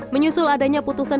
menyusul adanya putusan